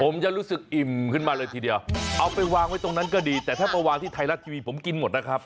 ผมจะรู้สึกอิ่มขึ้นมาเลยทีเดียวเอาไปวางไว้ตรงนั้นก็ดีแต่ถ้ามาวางที่ไทยรัฐทีวีผมกินหมดนะครับ